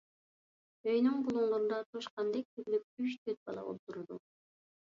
ئۆينىڭ بۇلۇڭلىرىدا توشقاندەك تۈگۈلۈپ ئۈچ-تۆت بالا ئولتۇرىدۇ.